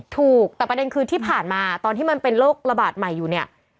ถูกแต่ประเด็นคือที่ผ่านมาตอนที่มันเป็นโรคระบาดใหม่อยู่เนี่ย